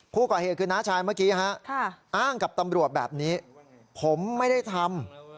ผู้ก่อเหตุคือน้าชายเมื่อกี้ฮะอ้างกับตำรวจแบบนี้ผมไม่ได้ทำ